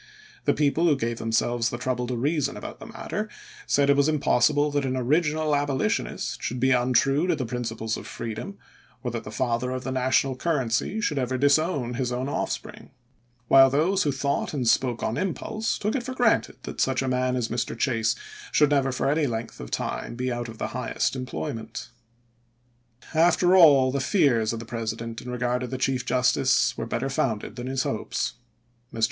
The people who gave them selves the trouble to reason about the matter said it was impossible that an original abolitionist should be untrue to the principles of freedom, or that the father of the National currency should ever disown his own offspring; while those who thought and spoke on impulse took it for granted that such a man as Mr. Chase should never for any length of time be out of the highest employment. After all, the fears of the President in regard to the Chief Justice were better founded than his hopes. Mr.